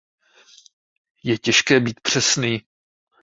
Je těžké být přesný.